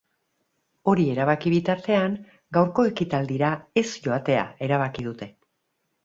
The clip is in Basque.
Hori erabaki bitartean, gaurko ekitaldira ez joatea erabaki dute.